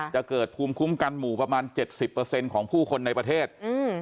จะเกิดภูมิคุ้มกันหมู่ประมาณเจ็ดสิบเปอร์เซ็นต์ของผู้คนในประเทศอืม